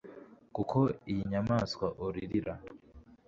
kuko iyi nyamaswa uririra